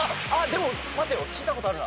でも待てよ聞いたことあるな。